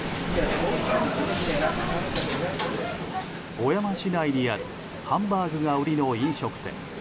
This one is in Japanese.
小山市内にあるハンバーグが売りの飲食店。